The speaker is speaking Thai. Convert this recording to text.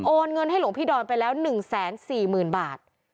เงินให้หลวงพี่ดอนไปแล้ว๑๔๐๐๐บาท